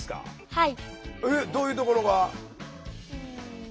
はい。